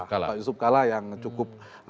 pak yusuf kalla yang cukup